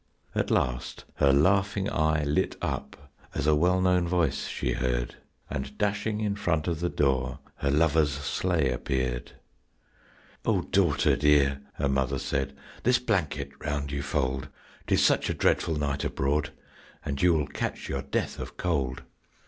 At last her laughing eye lit up as a well known voice she heard, And dashing in front of the door her lover's sleigh appeared. "O daughter, dear," her mother said, "this blanket round you fold, 'Tis such a dreadful night abroad and you will catch your death of cold."